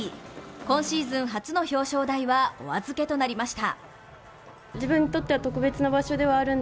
今シーズン初の表彰台はお預けとなりました。